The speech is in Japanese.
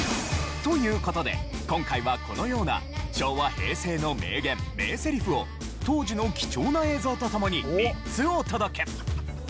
という事で今回はこのような昭和・平成の名言・名セリフを当時の貴重な映像とともに３つお届け！